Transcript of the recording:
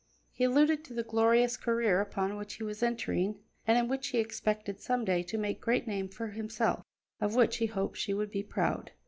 He alluded to the glorious career upon which he was entering, and in which he expected some day to make a great name for himself, of which he hoped she would be proud.